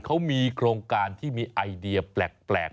เขามีโครงการที่มีไอเดียแปลก